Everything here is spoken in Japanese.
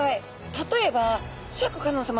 例えばシャーク香音さま